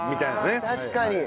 確かに！